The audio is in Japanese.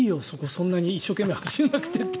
そんなに一生懸命走らなくてって。